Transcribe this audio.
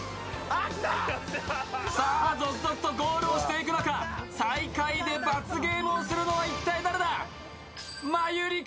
さぁ、続々とゴールをしていく中、最下位で罰ゲームをするのは一体誰か？